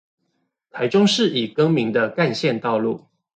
台中市已更名的幹線道路